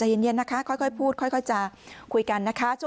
แต่เย็นนะคะค่อยพูดค่อยจะคุยกันนะคะ